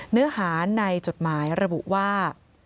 เนื้อหาในจดหมายระบุว่า